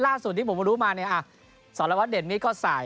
ล่าสุดที่ผมรู้มาเนี่ยสารวัตเด่นนี่ก็สาย